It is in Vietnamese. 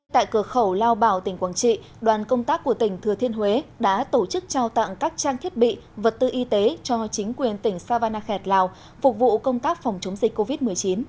tại cửa khẩu lao bảo tỉnh quảng trị đoàn công tác của tỉnh thừa thiên huế đã tổ chức trao tặng các trang thiết bị vật tư y tế cho chính quyền tỉnh savanakhet lào phục vụ công tác phòng chống dịch covid một mươi chín